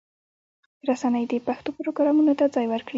رسنۍ دې پښتو پروګرامونو ته ځای ورکړي.